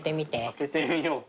開けてみようか。